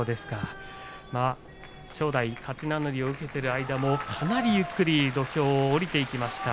正代、勝ち名乗りを受けている間もかなりゆっくりと土俵を下りていきました。